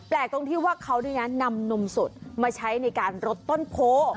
ตรงที่ว่าเขานำนมสดมาใช้ในการรดต้นโพ